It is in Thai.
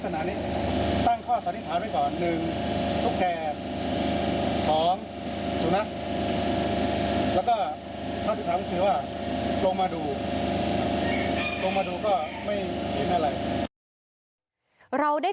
ยิ่งอะไร